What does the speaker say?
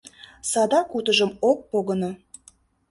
Садак утыжым ок погыно.